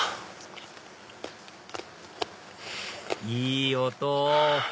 いい音！